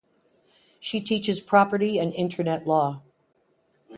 She teaches Property and Internet Law.